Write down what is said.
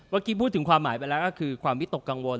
เมื่อกี้พูดถึงความหมายไปแล้วก็คือความวิตกกังวล